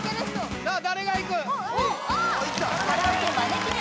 さあ誰がいく？